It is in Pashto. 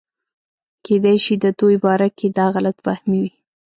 کېدے شي دَدوي باره کښې دا غلط فهمي وي